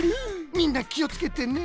みんなきをつけてね。